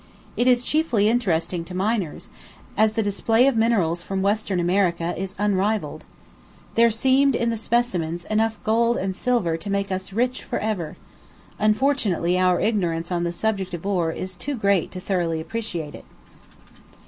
It is chiefly interesting to miners, as the display of minerals from Western America is unrivalled. There seemed, in the specimens, enough gold and silver to make us rich for ever; unfortunately our ignorance on the subject of ore is too great to thoroughly appreciate it.